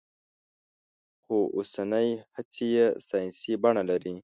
خو اوسنۍ هڅې يې ساينسي بڼه لري.